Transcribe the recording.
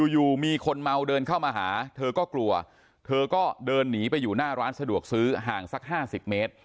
อยู่มีคนเมาเดินเข้ามาหาเธอก็กลัวเธอก็เดินหนีไปอยู่หน้าร้านสะดวกซื้อห่างสัก๕๐เมตร